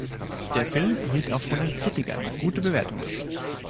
Der Film erhielt auch von Kritikern gute Bewertungen.